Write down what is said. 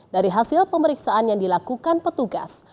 dari hasil pemeriksaan yang dilakukan petugas